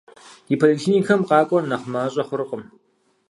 Ди поликлиникэм къакӀуэр нэхъ мащӀэ хъуркъым.